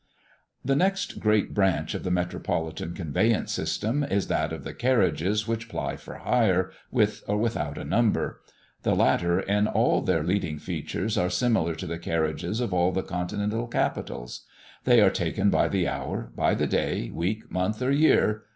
The next great branch of the Metropolitan conveyance system, is that of the carriages which ply for hire, with or without a number. The latter, in all their leading features, are similar to the carriages of all the Continental capitals. They are taken by the hour, by the day, week, month, or year.